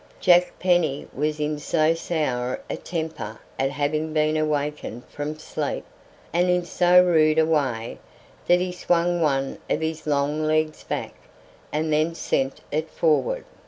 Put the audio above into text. Jack Penny was in so sour a temper at having been awakened from sleep, and in so rude a way, that he swung one of his long legs back, and then sent it forward.